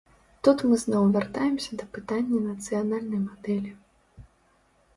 Тут мы зноў вяртаемся да пытання нацыянальнай мадэлі.